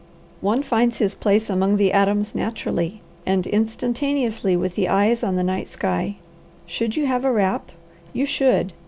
One finds his place among the atoms naturally and instantaneously with the eyes on the night sky. Should you have a wrap? You should!